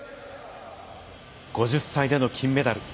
５０歳での金メダル。